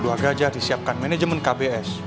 dua gajah disiapkan manajemen kbs